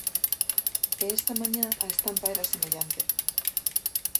E esta mañá a estampa era semellante.